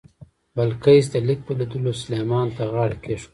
بلقیس د لیک په لیدلو سلیمان ته غاړه کېښوده.